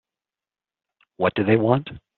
What do they want?